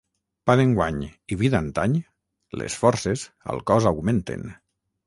Pa d'enguany i vi d'antany, les forces al cos augmenten.